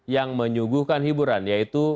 yang menyuguhkan hiburan yaitu